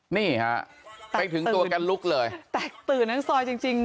นี่ฮะไปถึงตัวแกลุกเลยแตกตื่นทั้งซอยจริงจริง